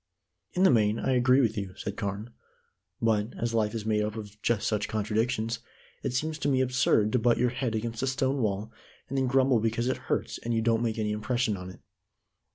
"In the main, I agree with you," said Carne. "But, as life is made up of just such contradictions, it seems to me absurd to butt your head against a stone wall, and then grumble because it hurts and you don't make any impression on it.